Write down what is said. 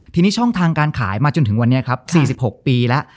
ทีนี้ช่องทางการขายมาจนถึงวันนี้ครับ๔๖ปีแล้ว